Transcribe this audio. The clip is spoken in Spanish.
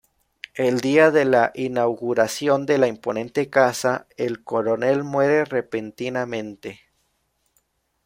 El día de la inauguración de la imponente casa el coronel muere repentinamente.